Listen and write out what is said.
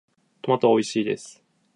トマトはおいしいです。